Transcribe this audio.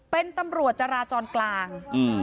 เป็นตำรวจจราจรกลาง